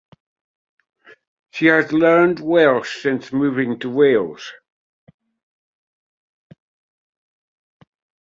She has learned Welsh since moving to Wales.